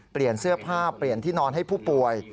เปลี่ยนเสื้อผ้าเปลี่ยนที่นอนให้ผู้ป่วย